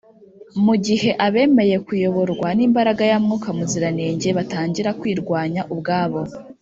mu gihe abemeye kuyoborwa n’imbaraga ya mwuka muziranenge batangira kwirwanya ubwabo